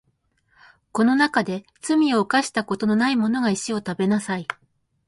この中で罪を犯したことのないものが石を食べなさい